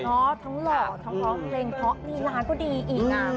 ทั้งหล่อทั้งหรอกเหมือนเพลงพอมีล้านก็ดีอีกอ่ะ